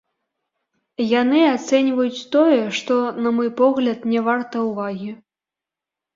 Яны ацэньваюць тое, што, на мой погляд, не варта ўвагі.